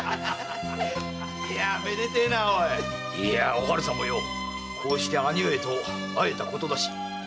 お春さんもこうして兄上と会えたことだし。